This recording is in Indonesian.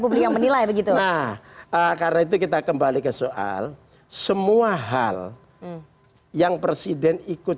publik yang menilai begitu nah karena itu kita kembali ke soal semua hal yang presiden ikut